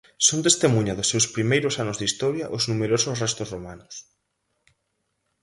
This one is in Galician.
Son testemuña dos seus primeiros anos de historia os numerosos restos romanos.